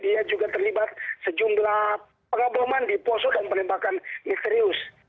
dia juga terlibat sejumlah pengeboman di poso dan penembakan misterius